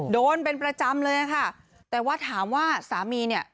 โดนเป็นประจำเลยค่ะแต่ว่าถามว่าสามีเนี่ย